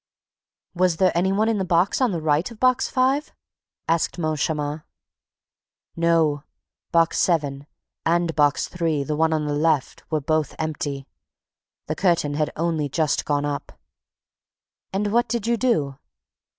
"Was there any one in the box on the right of Box Five?" asked Moncharmin. "No; Box Seven, and Box Three, the one on the left, were both empty. The curtain had only just gone up." "And what did you do?"